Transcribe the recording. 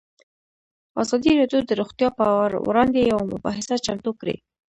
ازادي راډیو د روغتیا پر وړاندې یوه مباحثه چمتو کړې.